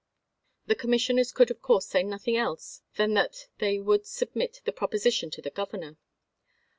The commissioners could of course say nothing else than that they would submit the proposition to the Governor.